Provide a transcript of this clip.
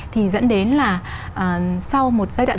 thì dẫn đến là sau một giai đoạn